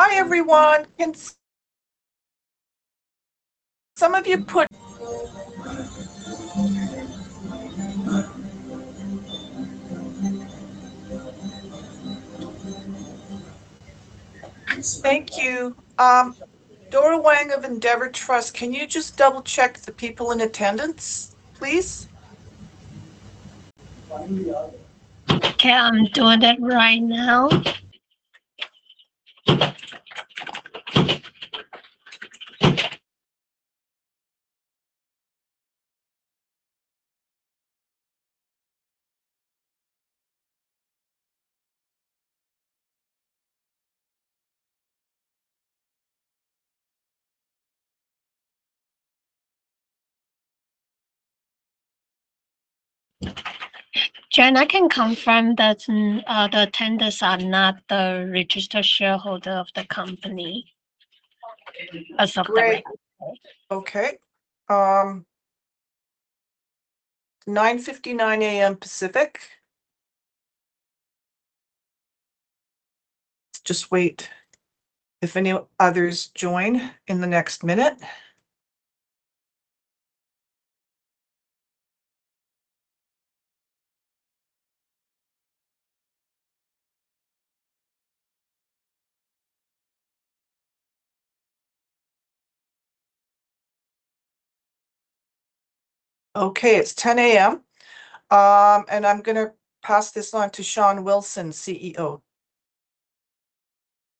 Hi, everyone. Some of you put Thank you. Dora Wang of Endeavour Trust, can you just double-check the people in attendance, please? Okay, I'm doing it right now. Jen, I can confirm that the attendees are not the registered shareholders of the company as of the record date. Great. Okay. 9:59 A.M. Pacific. Let's just wait if any others join in the next minute. Okay, it's 10:00 A.M. I'm going to pass this on to Shawn Wilson, CEO.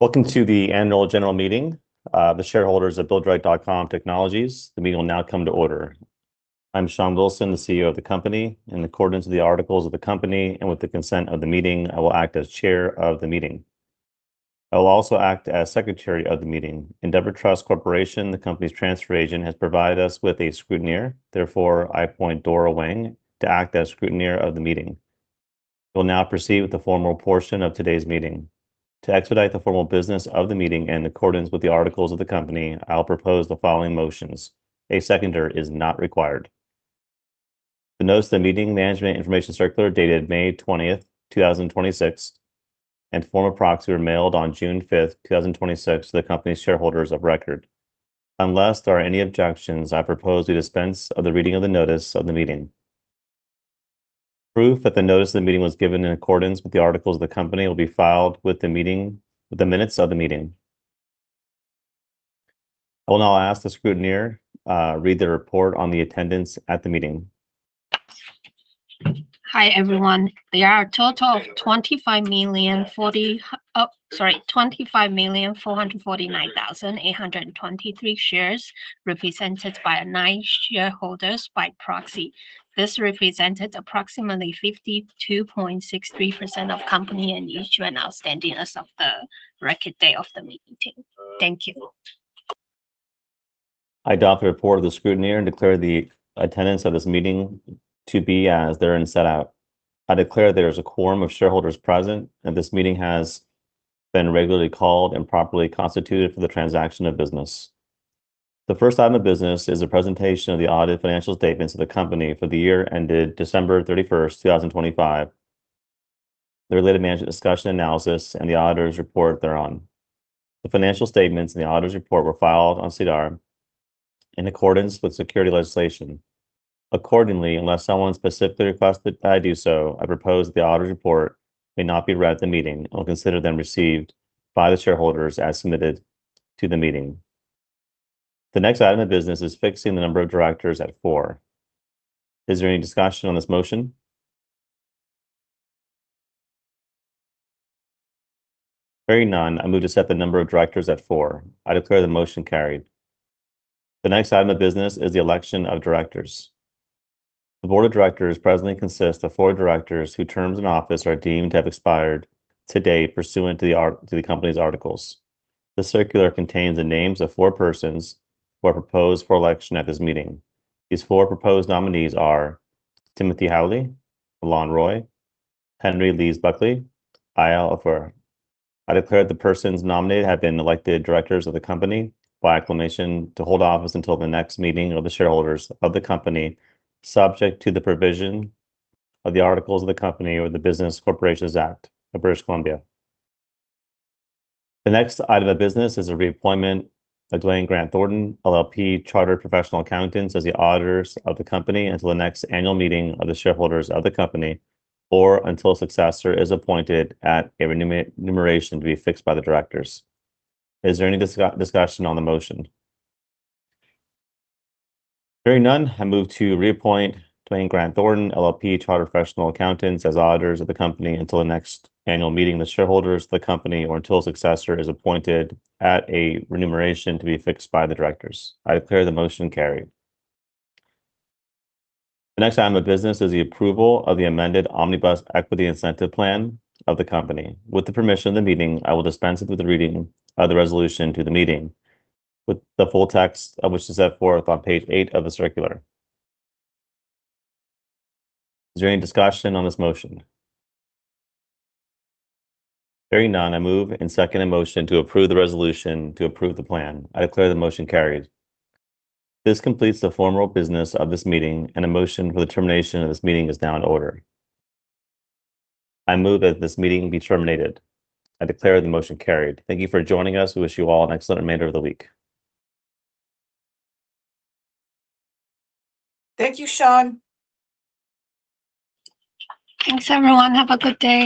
Welcome to the annual general meeting of the shareholders of BuildDirect.com Technologies. The meeting will now come to order. I'm Shawn Wilson, the CEO of the company. In accordance with the articles of the company and with the consent of the meeting, I will act as chair of the meeting. I will also act as secretary of the meeting. Endeavour Trust Corporation, the company's transfer agent, has provided us with a scrutineer. Therefore, I appoint Dora Wang to act as scrutineer of the meeting. We will now proceed with the formal portion of today's meeting. To expedite the formal business of the meeting in accordance with the articles of the company, I'll propose the following motions. A seconder is not required. The notice of the meeting and management information circular dated May 20th, 2026, and formal proxy were mailed on June 5th, 2026 to the company's shareholders of record. Unless there are any objections, I propose we dispense of the reading of the notice of the meeting. Proof that the notice of the meeting was given in accordance with the articles of the company will be filed with the minutes of the meeting. I will now ask the scrutineer to read the report on the attendance at the meeting. Hi, everyone. There are a total of 25,449,823 shares represented by nine shareholders by proxy. This represented approximately 52.63% of company's and issued and outstanding as of the record date of the meeting. Thank you. I adopt the report of the scrutineer and declare the attendance of this meeting to be as therein set out. I declare there is a quorum of shareholders present, and this meeting has been regularly called and properly constituted for the transaction of business. The first item of business is a presentation of the audited financial statements of the company for the year ended December 31st, 2025, the related management discussion and analysis, and the auditor's report thereon. The financial statements and the auditor's report were filed on SEDAR in accordance with security legislation. Accordingly, unless someone specifically requests that I do so, I propose the auditor's report may not be read at the meeting and will consider them received by the shareholders as submitted to the meeting. The next item of business is fixing the number of directors at four. Is there any discussion on this motion? Hearing none, I move to set the number of directors at four. I declare the motion carried. The next item of business is the election of directors. The board of directors presently consists of four directors whose terms in office are deemed to have expired today pursuant to the company's articles. The circular contains the names of four persons who are proposed for election at this meeting. These four proposed nominees are Timothy Howley, Alain Roy, Henry Lees-Buckley, Eyal Ofir. I declare the persons nominated have been elected directors of the company by acclamation to hold office until the next meeting of the shareholders of the company, subject to the provision of the articles of the company or the Business Corporations Act of British Columbia. The next item of business is the reappointment of Grant Thornton LLP Chartered Professional Accountants as the auditors of the company until the next annual meeting of the shareholders of the company, or until a successor is appointed at a remuneration to be fixed by the directors. Is there any discussion on the motion? Hearing none, I move to reappoint Grant Thornton LLP Chartered Professional Accountants as auditors of the company until the next annual meeting of the shareholders of the company, or until a successor is appointed at a remuneration to be fixed by the directors. I declare the motion carried. The next item of business is the approval of the amended Omnibus Equity Incentive Plan of the company. With the permission of the meeting, I will dispense with the reading of the resolution to the meeting, with the full text of which is set forth on page eight of the circular. Is there any discussion on this motion? Hearing none, I move and second a motion to approve the resolution to approve the plan. I declare the motion carried. This completes the formal business of this meeting. A motion for the termination of this meeting is now in order. I move that this meeting be terminated. I declare the motion carried. Thank you for joining us. We wish you all an excellent remainder of the week. Thank you, Shawn. Thanks, everyone. Have a good day.